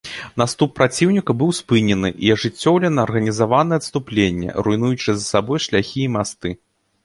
Наступ праціўніка быў спынены і ажыццёўлена арганізаванае адступленне, руйнуючы за сабой шляхі і масты.